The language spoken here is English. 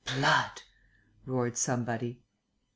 "Blood!" roared somebody.